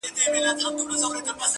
زما د چت درېيم دېوال ته شا ورکوي’